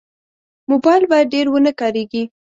موبایل باید ډېر ونه کارېږي.